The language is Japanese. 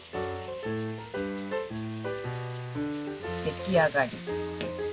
出来上がり。